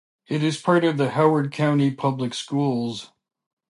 It is part of the Howard County public schools.